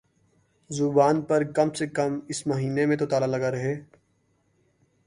زبان پر کم سے کم اس مہینے میں تو تالا لگا رہے